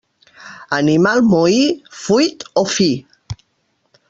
Animal moí, fuit o fi.